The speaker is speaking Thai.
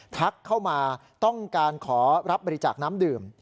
ทักเข้ามาต้องการขอรับบริจาคน้ำดื่ม